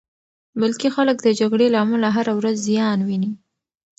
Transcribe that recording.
ملکي خلک د جګړې له امله هره ورځ زیان ویني.